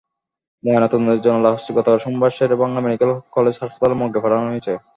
ময়নাতদন্তের জন্য লাশ গতকাল সোমবার শের-ই-বাংলা মেডিকেল কলেজ হাসপাতালের মর্গে পাঠানো হয়েছে।